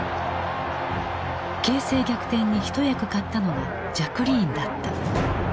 形勢逆転に一役買ったのがジャクリーンだった。